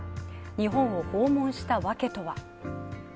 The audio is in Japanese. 日本を訪問したわけとは。